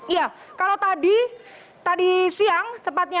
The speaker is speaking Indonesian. iya kalau tadi tadi siang tepatnya